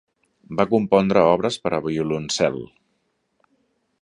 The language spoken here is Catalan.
Va compondre obres per a violoncel.